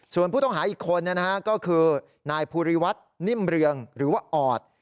ส่วนผู้ต้องหาอีกคนก็คือนายภูริวัฒน์นิ่มเรืองหรือว่าออด